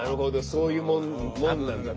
そういうもんなんだと。